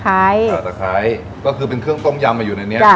ตะไคร้ก็คือเป็นเครื่องต้มยำมาอยู่ในนี้